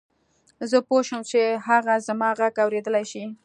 زه پوه شوم چې هغه زما غږ اورېدلای شي.